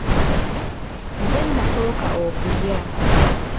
Nze nnaasooka okulya